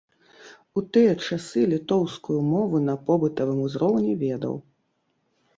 У тыя часы літоўскую мову на побытавым узроўні ведаў.